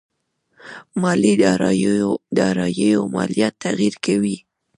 مالي داراییو ماليات تغير کوي.